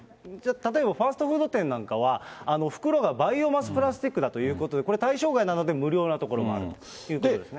例えばファーストフード店などは復路がバイオマスプラスチックだということで、これ対象外なので、無料な所もあるということですね。